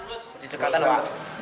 perti cekatan pak